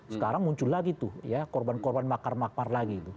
sekarang muncul lagi tuh ya korban korban makar makar lagi